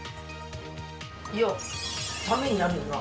いやためになるよな。